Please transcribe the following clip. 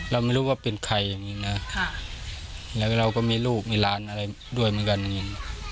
เราไม่รู้ว่าเป็นใครอย่างนี้นะแล้วเราก็มีลูกมีหลานอะไรด้วยเหมือนกันอย่างนี้